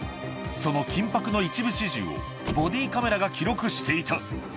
その緊迫の一部始終を、ボディーカメラが記録していた。